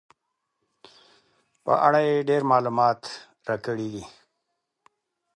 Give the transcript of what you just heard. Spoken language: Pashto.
په اړه یې ډېر معلومات راکړي دي.